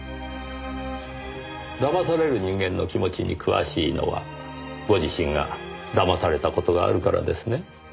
騙される人間の気持ちに詳しいのはご自身が騙された事があるからですね？